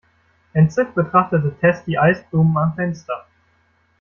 Entzückt betrachtete Tess die Eisblumen am Fenster.